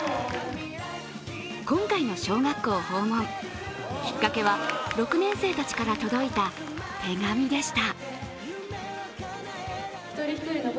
今回の小学校訪問、きっかけは６年生たちから届いた手紙でした。